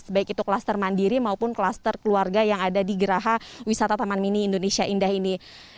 baik itu kluster mandiri maupun kluster keluarga yang ada di geraha wisata taman mini indonesia indah ini